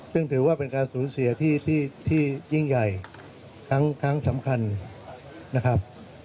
ซึ่งถือว่าเป็นการสูญเสียที่ยิ่งใหญ่ครั้งสำคัญนะครับ